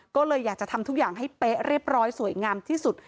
ก็เลยอยากจะทำทุกอย่างให้เป๊ะเรียบร้อยสวยงามที่สุด